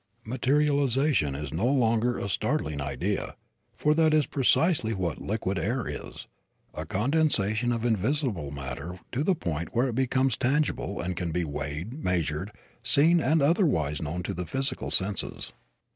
Materialization is no longer a startling idea, for that is precisely what liquid air is a condensation of invisible matter to the point where it becomes tangible and can be weighed, measured, seen and otherwise known to the physical senses.